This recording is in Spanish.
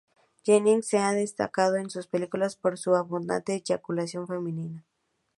Jennings se ha destacado en sus películas por su abundante eyaculación femenina.